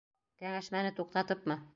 Кәңәшмәне туҡтатыпмы?